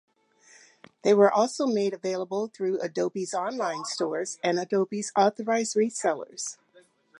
They were also made available through Adobe's online store and Adobe Authorized Resellers.